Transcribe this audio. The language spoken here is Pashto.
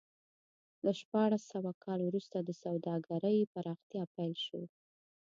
له شپاړس سوه کال وروسته د سوداګرۍ پراختیا پیل شو.